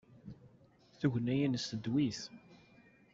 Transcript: Tugna-ines tedwi-t.